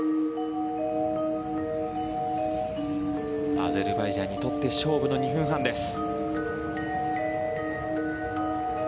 アゼルバイジャンにとって勝負の２分半です。